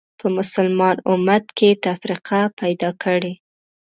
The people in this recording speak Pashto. په مسلمان امت کې تفرقه پیدا کړې